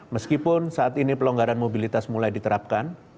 meskipun saat ini pelonggaran mobilitas mulai diterapkan